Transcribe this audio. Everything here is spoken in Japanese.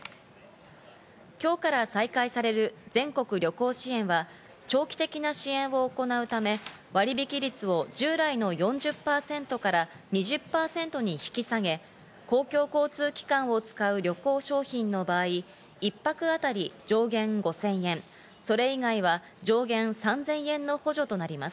今日から再開される全国旅行支援は、長期的な支援を行うため、割引率を従来の４０％から２０％に引き下げ、公共交通機関を使う旅行商品の場合、１泊あたり上限５０００円、それ以外は上限３０００円の補助となります。